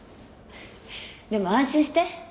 でも安心して。